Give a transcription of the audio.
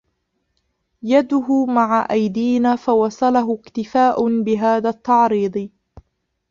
يَدُهُ مَعَ أَيْدِينَا فَوَصَلَهُ اكْتِفَاءٌ بِهَذَا التَّعْرِيضِ